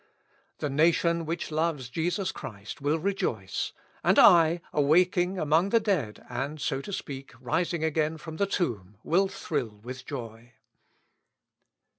The nation which loves Jesus Christ will rejoice; and I, awaking among the dead, and, so to speak, rising again from the tomb, will thrill with joy."